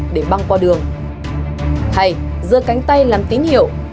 để băng qua đường hay dơ cánh tay làm tín hiệu